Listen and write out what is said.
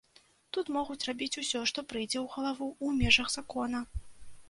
Тут могуць рабіць усё, што прыйдзе ў галаву ў межах закона.